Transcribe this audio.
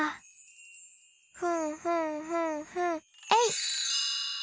ふんふんふんふんえいっ！